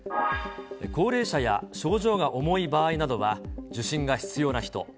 高齢者や症状が重い場合などは受診が必要な人。